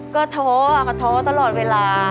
ก็ท้อก็ท้อตลอดเวลา